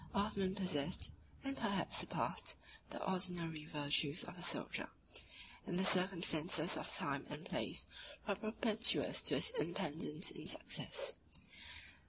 Othman possessed, and perhaps surpassed, the ordinary virtues of a soldier; and the circumstances of time and place were propitious to his independence and success.